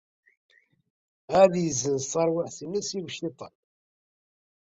Ad yessenz taṛwiḥt-nnes i uciṭan.